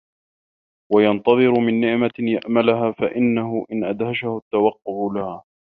وَيَنْتَظِرُ مِنْ نِعْمَةٍ يَأْمُلُهَا فَإِنَّهُ إنْ أَدْهَشَهُ التَّوَقُّعُ لَهَا